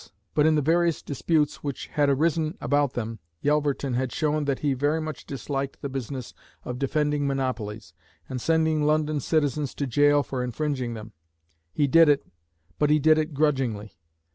_" But in the various disputes which had arisen about them, Yelverton had shown that he very much disliked the business of defending monopolies, and sending London citizens to jail for infringing them. He did it, but he did it grudgingly.